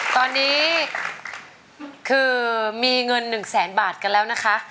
ตอนนี้คือมีเงิน๑แสนบาทกันแล้วนะคะ